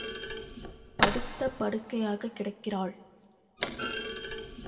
படுத்த படுக்கையாகக் கிடக்கிறாள்.